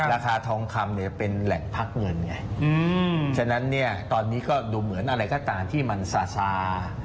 ราคาทองคำเนี่ยเป็นแหล่งพักเงินไงฉะนั้นเนี่ยตอนนี้ก็ดูเหมือนอะไรก็ตามที่มันซาซา